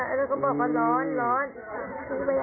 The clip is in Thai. อาบน้ำเป็นจิตเที่ยว